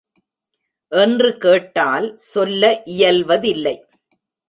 என்று கேட்டால் சொல்ல இயல்வதில்லை.